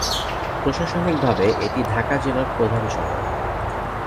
প্রশাসনিকভাবে এটি ঢাকা জেলার প্রধান শহর।